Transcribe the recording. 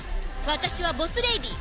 私はボス・レディ。